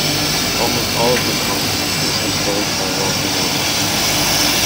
Almost all of the commerce was controlled by wealthy merchants.